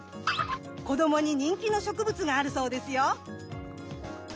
子どもに人気の植物があるそうですよ。